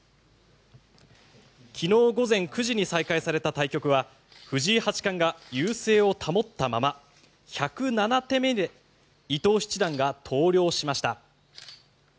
昨日午前９時に再開された対局は藤井八冠が優勢を保ったまま１０７手目で伊藤七段が投了しました。